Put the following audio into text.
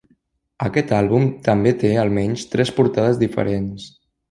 Aquest àlbum també té almenys tres portades diferents.